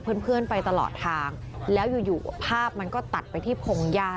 เพื่อนไปตลอดทางแล้วอยู่ภาพมันก็ตัดไปที่โพงหญ้า